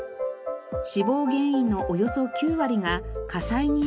死亡原因のおよそ９割が火災によるものです。